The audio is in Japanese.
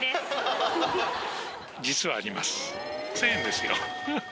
実はあります、１０００円ですよ。